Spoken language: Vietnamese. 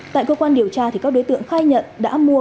tại cơ quan điều tra các đối tượng khai nhận đã mua các loại hàng giả